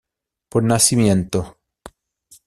Por nacimiento